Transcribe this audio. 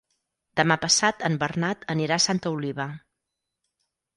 Demà passat en Bernat anirà a Santa Oliva.